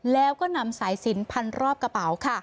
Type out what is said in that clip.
แล้วก็นำสายสินพันรอบกระเป๋าค่ะ